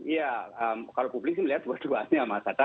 iya kalau publik sih melihat berduanya mas hatta